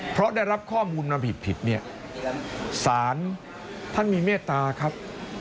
เพราะได้รับข้อมูลมาผิดผิดเนี่ยสารท่านมีเมตตาครับ